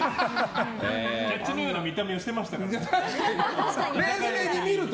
キャッチのような見た目をしてましたからね。